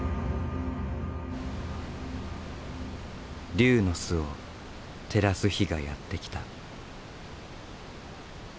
龍の巣を照らす日がやって来た。